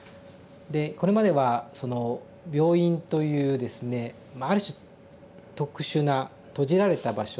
でこれまではその病院というですねある種特殊な閉じられた場所